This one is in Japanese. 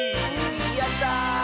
やった！